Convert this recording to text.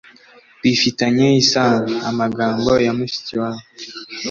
Bifitanye isano: Amagambo ya Mushikiwabo